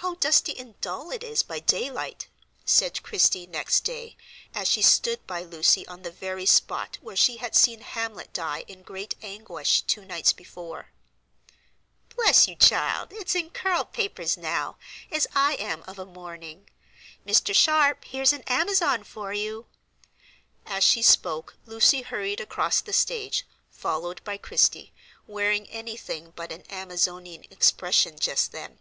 How dusty and dull it is by daylight!" said Christie next day, as she stood by Lucy on the very spot where she had seen Hamlet die in great anguish two nights before. "Bless you, child, it's in curl papers now, as I am of a morning. Mr. Sharp, here's an Amazon for you." As she spoke, Lucy hurried across the stage, followed by Christie, wearing any thing but an Amazonian expression just then.